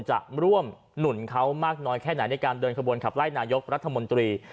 จะร่วมหนุนเขามากน้อยแค่ไหนในการเดินขบวนขับไล่นายกรัฐมนตรี